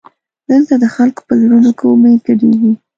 دلته د خلکو په زړونو کې امید ګډېږي.